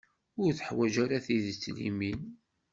Ur teḥwaǧ ara tidet limin.